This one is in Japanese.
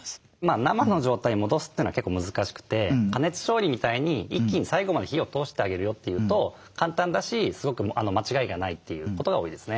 生の状態に戻すというのは結構難しくて加熱調理みたいに一気に最後まで火を通してあげるよっていうと簡単だしすごく間違いがないということが多いですね。